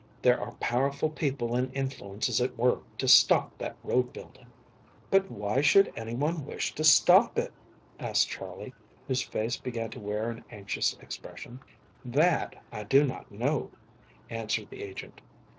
There are powerful people and influences at work to stop that road building." "But why should anyone wish to stop it?" asked Charley, whose face began to wear an anxious expression. "That I do not know," answered the agent.